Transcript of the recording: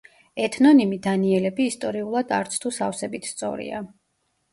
ეთნონიმი დანიელები ისტორიულად არც თუ სავსებით სწორია.